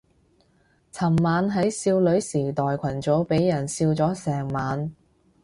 尋晚喺少女時代群組俾人笑咗成晚